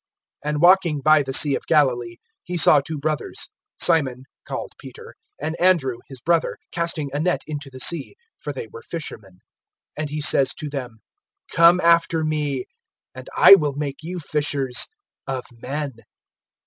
(18)And walking by the sea of Galilee, he saw two brothers, Simon called Peter, and Andrew his brother, casting a net into the sea; for they were fishermen. (19)And he says to them: Come after me, and I will make you fishers of men.